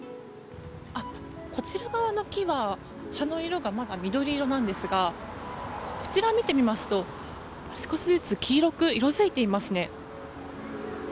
こちら側の木は、葉の色がまだ緑色ですがこちらを見てみますと少しずつ黄色く色づいています。